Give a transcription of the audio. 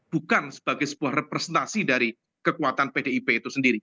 bukan sebagai sebuah representasi dari kekuatan pdip itu sendiri